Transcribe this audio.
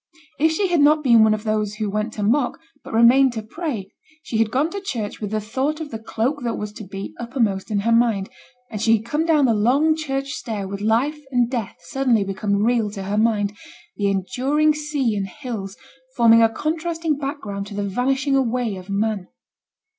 If she had not been one of those who went to mock, but remained to pray, she had gone to church with the thought of the cloak that was to be uppermost in her mind, and she had come down the long church stair with life and death suddenly become real to her mind, the enduring sea and hills forming a contrasting background to the vanishing away of man.